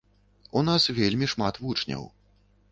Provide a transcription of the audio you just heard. У нас вельмі шмат вучняў.